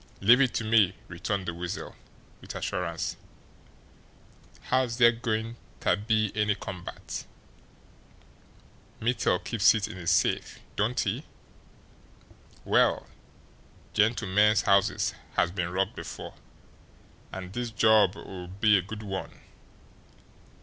"Leave it to me!" returned the Weasel, with assurance. "How's dere goin' ter be any come back? Mittel keeps it in his safe, don't he? Well, gentlemen's houses has been robbed before an' dis job'll be a good one.